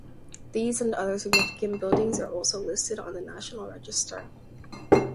These and other significant buildings are also listed on the National Register.